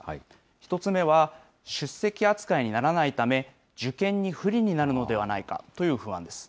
１つ目は、出席扱いにならないため、受験に不利になるのではないかという不安です。